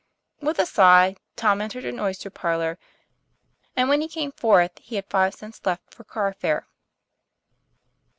With a sigh, Tom entered an oyster parlor; and when he came forth he had five cents left for car fare.